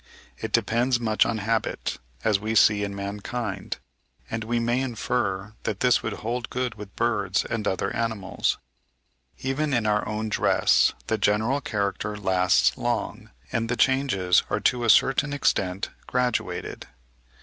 It depends much on habit, as we see in mankind; and we may infer that this would hold good with birds and other animals. Even in our own dress, the general character lasts long, and the changes are to a certain extent graduated.